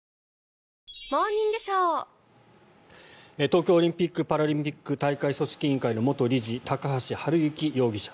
東京オリンピック・パラリンピック大会組織委員会の元理事、高橋治之容疑者。